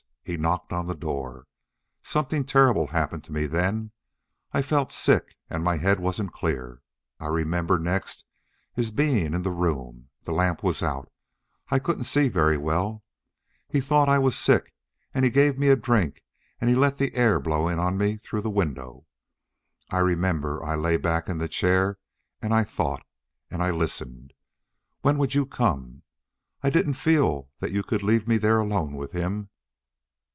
He knocked on the door. Something terrible happened to me then. I felt sick and my head wasn't clear. I remember next his being in the room the lamp was out I couldn't see very well. He thought I was sick and he gave me a drink and let the air blow in on me through the window. I remember I lay back in the chair and I thought. And I listened. When would you come? I didn't feel that you could leave me there alone with him.